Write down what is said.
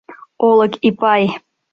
Олык Ипай».